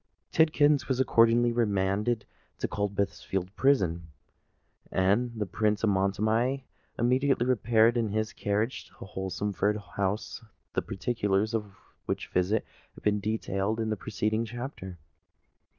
Tidkins was accordingly remanded to Coldbath Fields' Prison; and the Prince of Montoni immediately repaired in his carriage to Holmesford House—the particulars of which visit have been detailed in the preceding chapter.